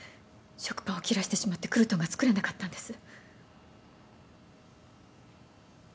食パンを切らしてしまってクルトンが作れなかったんです。